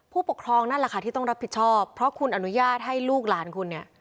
ผู้ปกครองนั่นแหละค่ะที่ต้องรับผิดชอบเพราะคุณอนุญาตให้ลูกหลานคุณเนี่ย